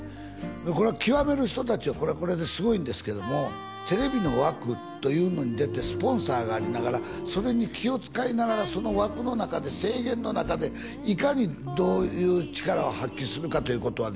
これは極める人達はこれはこれですごいんですけどもテレビの枠というのに出てスポンサーがありながらそれに気を使いながらその枠の中で制限の中でいかにどういう力を発揮するかということはね